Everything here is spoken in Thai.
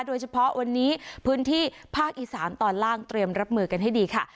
โดยเฉพาะวันนี้พื้นที่ภาคอีสานตอนล่างเตรียมรับมือกันให้ดีค่ะ